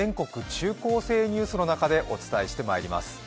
中高生ニュース」の中で、お伝えしてまいります。